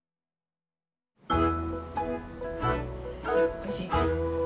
おいしい？